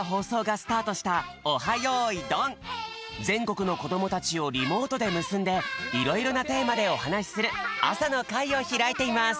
ぜんこくの子どもたちをリモートでむすんでいろいろなテーマでおはなしする朝の会をひらいています